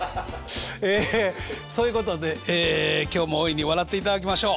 ええそういうことで今日も大いに笑っていただきましょう。